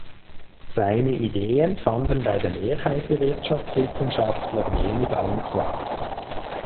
Seine Ideen fanden bei der Mehrheit der Wirtschaftswissenschaftler wenig Anklang.